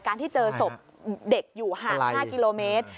ที่เจอศพเด็กอยู่ห่าง๕กิโลเมตร